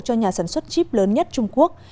cho nhà sản xuất chip lớn nhất trung quốc